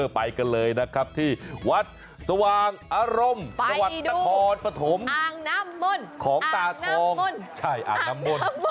ไปกันเลยนะครับที่วัดสว่างอารมณ์นวัดตธรปฐมอ่างน้ำมนต์